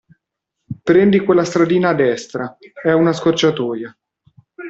Prendi quella stradina a destra, è una scorciatoia.